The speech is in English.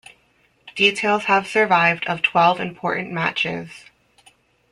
Details have survived of twelve important matches.